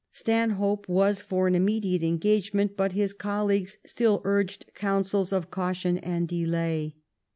Stanhope was for an immediate en gagement, but his colleague still urged counsels of cautio^ and delay.